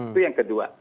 itu yang kedua